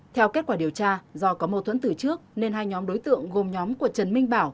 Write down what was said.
theo kết quả điều tra do có mâu thuẫn từ trước nên hai nhóm đối tượng gồm nhóm của trần minh bảo